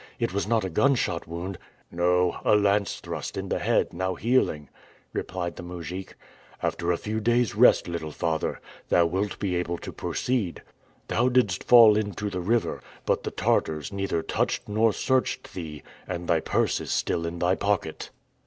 It was not a gunshot wound?" "No; a lance thrust in the head, now healing," replied the mujik. "After a few days' rest, little father, thou wilt be able to proceed. Thou didst fall into the river; but the Tartars neither touched nor searched thee; and thy purse is still in thy pocket."